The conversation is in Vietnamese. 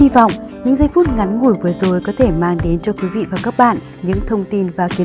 các bạn có thể nhớ đăng kí cho kênh lalaschool để không bỏ lỡ những video hấp dẫn